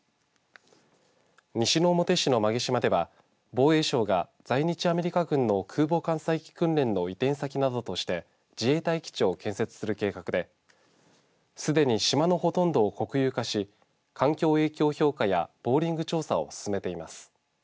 西之表市の馬毛島では防衛省が在日アメリカ軍の空母艦載機訓練の移転先などとして自衛隊基地を建設する計画ですでに島のほとんどを国有化し環境影響評価やボーリング調査を進めています。